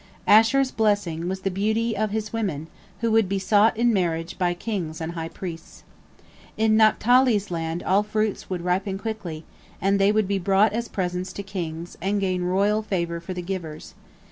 " Asher's blessing was the beauty of his women, who would be sought in marriage by kings and high priests. In Naphtali's land all fruits would ripen quickly, and they would be brought as presents to kings, and gain royal favor for the givers.